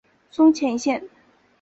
松前线。